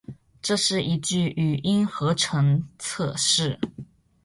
这是一句语音合成测试